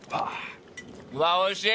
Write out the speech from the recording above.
うわっおいしい！